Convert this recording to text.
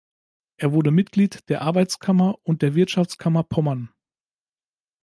Er wurde Mitglied der Arbeitskammer und der Wirtschaftskammer Pommern.